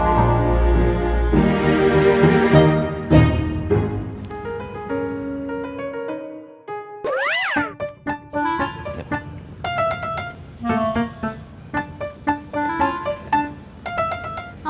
kalian bisa kes kansas